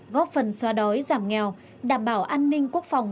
góp phần xoa đói giảm nghèo đảm bảo an ninh quốc phòng